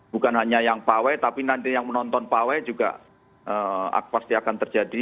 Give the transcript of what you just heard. bukan hanya yang pawai tapi nanti yang menonton pawai juga pasti akan terjadi